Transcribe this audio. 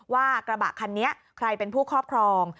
ว่ากระบะคันนี้ใครเป็นผู้ครอบครอง